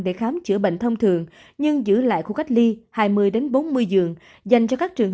để khám chữa bệnh thông thường nhưng giữ lại khu cách ly hai mươi bốn mươi giường dành cho các trường